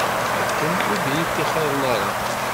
Akken ur d iyi-ttixiṛen ara.